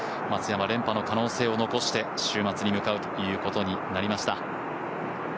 松山、連覇の可能性を残して、週末に向かうということになりました。